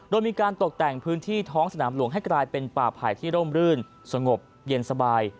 โดยมีการตกแต่งพื้นที่ท้องสนามหลวงให้กลายเป็นป่าไผ่ที่ร่มรื่นสงบเย็นสบาย